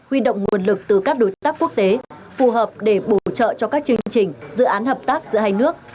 huy động nguồn lực từ các đối tác quốc tế phù hợp để bổ trợ cho các chương trình dự án hợp tác giữa hai nước